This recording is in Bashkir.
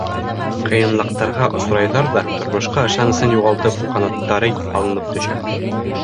Ҡыйынлыҡтарға осрайҙар ҙа, тормошҡа ышанысын юғалтып, ҡанаттары һалынып төшә.